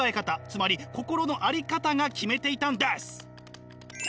つまり心の在り方が決めていたんです。